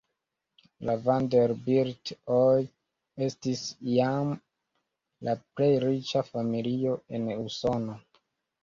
La Vanderbilt-oj estis iam la plej riĉa familio en Usono.